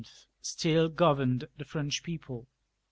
still governed the French people.